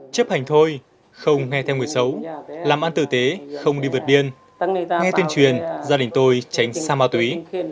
chấp hành thôi không nghe theo người xấu làm ăn tử tế không đi vượt biên nghe tuyên truyền gia đình tôi tránh xa ma túy